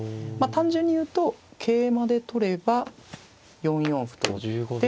単純に言うと桂馬で取れば４四歩と打って。